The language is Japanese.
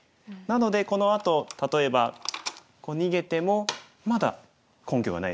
なのでこのあと例えばこう逃げてもまだ根拠がないですよね。